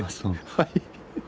はい。